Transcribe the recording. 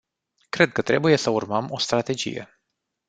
Cred că trebuie să urmăm o strategie.